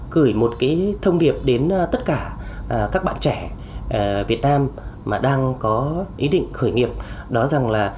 gửi một cái thông điệp đến tất cả các bạn trẻ việt nam mà đang có ý định khởi nghiệp nói rằng là